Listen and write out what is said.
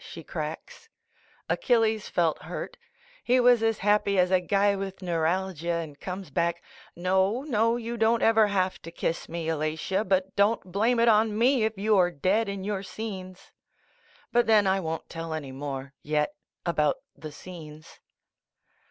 she cracks. Achilles felt hurt. He was as happy as a guy with neuralgia, and he comes back : "No, you don't ever have to ki.ss me, Alatia, but don't blame it on me if you are dead in your scenes." But then, I won't tell any more — yet — about the scenes.